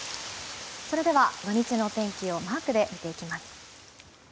それでは、土日のお天気をマークで見ていきます。